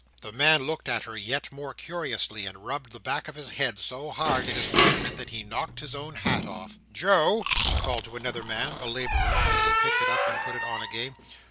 The man looked at her yet more curiously, and rubbed the back of his head so hard in his wonderment that he knocked his own hat off. "Joe!" he called to another man—a labourer—as he picked it up and put it on again.